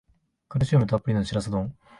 カルシウムたっぷりのシラス丼